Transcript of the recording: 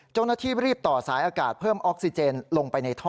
เจ้าหน้าที่รีบต่อสายอากาศเพิ่มออกซิเจนลงไปในท่อ